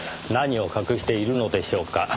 何を隠しているのでしょうか？